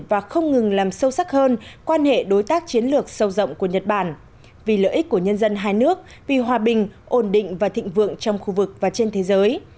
và không ngừng làm sâu sắc hơn quan hệ đối tác chiến lược sâu rộng của nhật bản vì lợi ích của nhân dân hai nước vì hòa bình ổn định và thịnh vượng trong khu vực và trên thế giới